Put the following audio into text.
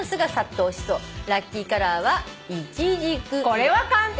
これは簡単。